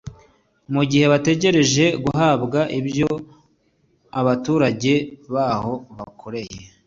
mugihe bategereje guhabwa ibyo abaturage baho bakoreye